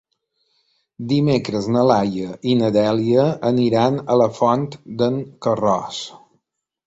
Dimecres na Laia i na Dèlia aniran a la Font d'en Carròs.